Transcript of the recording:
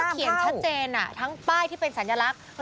เขียนชัดเจนทั้งป้ายที่เป็นสัญลักษณ์